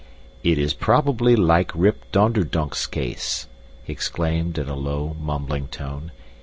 "It is probably like Rip Donderdunck's case," he exclaimed in a low, mumbling tone.